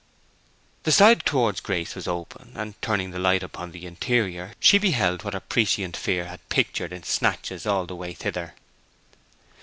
The side towards Grace was open, and turning the light upon the interior, she beheld what her prescient fear had pictured in snatches all the way thither.